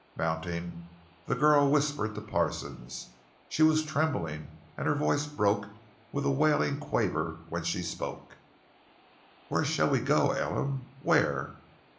Mounting, the girl whispered to Parsons. She was trembling, and her voice broke with a wailing quaver when she spoke: "Where shall we go, Elam—where?